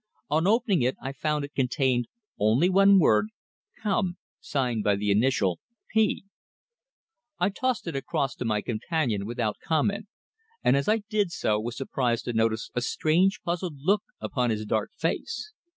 On opening it I found it contained only the one word "Come," signed by the initial "P." I tossed it across to my companion without comment, and as I did so was surprised to notice a strange, puzzled look upon his dark face.